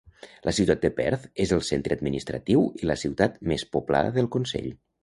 La ciutat de Perth és el centre administratiu i la ciutat més poblada del consell.